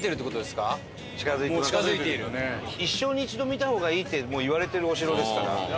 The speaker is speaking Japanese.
「一生に一度見た方がいい」っていわれてるお城ですから。